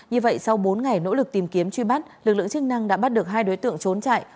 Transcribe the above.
như vậy sau bốn ngày nỗ lực tìm kiếm truy bắt lực lượng chức năng đã bắt được hai đối tượng trốn chạy